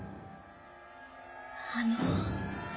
あの。